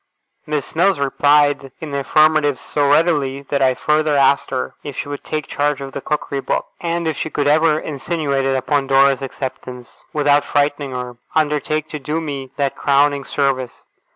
Miss Mills replied in the affirmative so readily, that I further asked her if she would take charge of the Cookery Book; and, if she ever could insinuate it upon Dora's acceptance, without frightening her, undertake to do me that crowning service.